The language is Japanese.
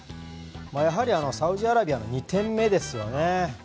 やはりサウジアラビアの２点目ですよね。